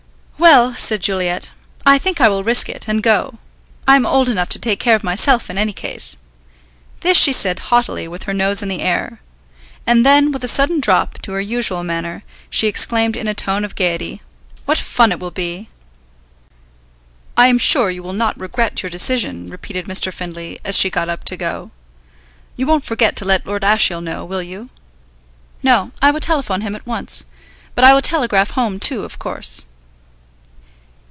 "Well," said Juliet, "I think I will risk it, and go. I am old enough to take care of myself, in any case." This she said haughtily, with her nose in the air. And then, with a sudden drop to her usual manner, she exclaimed in a tone of gaiety, "What fun it will be!" "I am sure you will not regret your decision," repeated Mr. Findlay, as she got up to go. "You won't forget to let Lord Ashiel know, will you?" "No, I will telephone to him at once. But I will telegraph home too, of course."